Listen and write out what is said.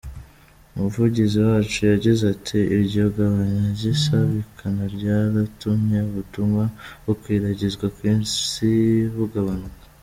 Umuvugizi waco yagize ati: "Iryo gabanya ry'isabikana ryaratumye ubutumwa bukwiragizwa kw'isi bugabanuka.